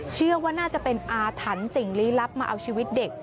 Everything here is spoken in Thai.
เชื่อว่าน่าจะเป็นอาถรรพ์สิ่งลี้ลับมาเอาชีวิตเด็ก